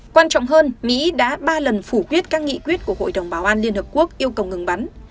quan trọng hơn mỹ đã ba lần phủ quyết các nghị quyết của hội đồng bảo an liên hợp quốc yêu cầu ngừng bắn